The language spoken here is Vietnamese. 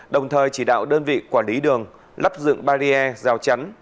đồng thời chỉ đạo đơn vị quản lý đường lắp dựng barrier rào chắn